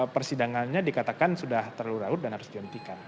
persidangannya dikatakan sudah terlurahut dan harus dihentikan